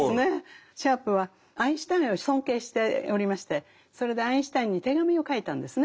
シャープはアインシュタインを尊敬しておりましてそれでアインシュタインに手紙を書いたんですね。